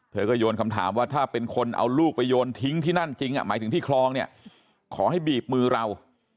เธอก็โยนคำถามว่าถ้าเป็นคนเอาลูกไปโยนทิ้งที่นั่นจริงหมายถึงที่คลองเนี่ยขอให้บีบมือเรา